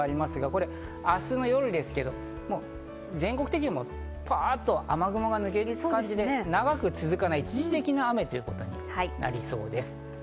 これ明日の夜ですけど、全国的にも、ばっと雨雲が抜ける感じで長く続かない一時的な雨ということになりそうです。